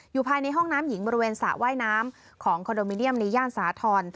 ภายในห้องน้ำหญิงบริเวณสระว่ายน้ำของคอนโดมิเนียมในย่านสาธรณ์